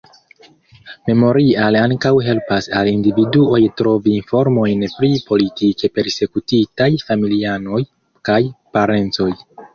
Memorial ankaŭ helpas al individuoj trovi informojn pri politike persekutitaj familianoj kaj parencoj.